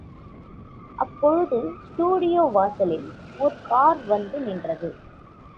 அப்பொழுது ஸ்டுடியோ வாசலில் ஒரு கார் வந்து நின்றது.